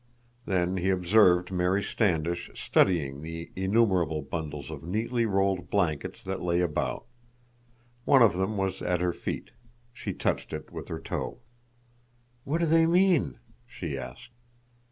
Then he observed Mary Standish studying the innumerable bundles of neatly rolled blankets that lay about. One of them was at her feet. She touched it with her toe. "What do they mean?" she asked.